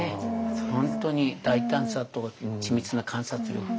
本当に大胆さと緻密な観察力と。